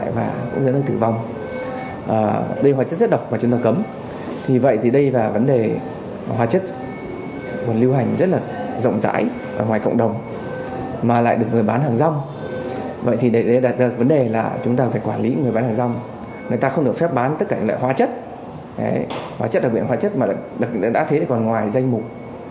hóa chất đặc biệt hóa chất mà đặc biệt đã thế còn ngoài danh mục